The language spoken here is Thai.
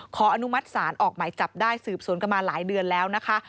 ขออนุมัติศาลออกหมายจับได้สืบสวนกันมาหลายเดือนแล้วนะคะ